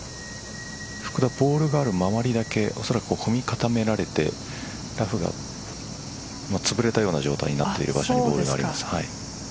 福田、ボールがある周りだけ踏み固められてラフがつぶれたような状態になっている場所にボールがあります。